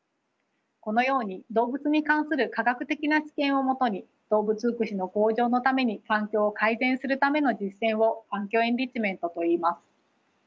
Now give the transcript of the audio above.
このように動物に関する科学的な知見をもとに動物福祉の向上のために環境を改善するための実践を環境エンリッチメントといいます。